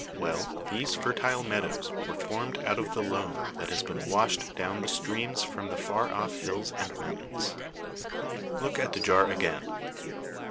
Well, these fertile meadows were formed out of the loam that has been washed down the streams from the far off hills and mountains. Look at the jar again.